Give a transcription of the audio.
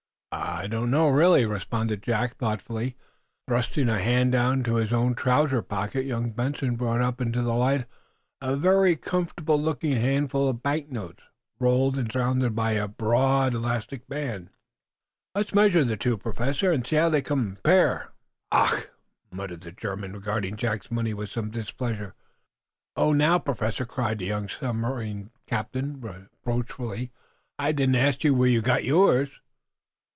"I I don't know, really," responded Jack, thoughtfully, thrusting a hand down into his own trousers pocket. Young Benson brought up into the light a very comfortable looking handful of banknotes, rolled and surrounded by a broad elastic band. "Let's measure the two, Professor, and see how they compare." "Ach!" muttered the German, regarding Jack's money with some displeasure. "Where did you get all that?" "Oh, now, Professor!" cried the young submarine captain, reproachfully. "I didn't ask you where you got yours!"